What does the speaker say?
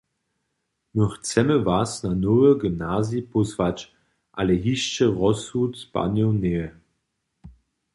My chcemy was na nowy gymnazij pósłać, ale hišće rozsud padnył njeje.